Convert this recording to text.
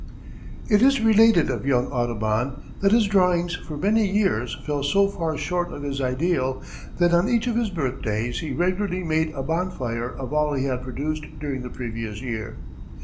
It is related of young Audubon that his drawings for many years fell so far short of his ideal, that on each of his birthdays he regularly made a bonfire of all he had produced during the previous year.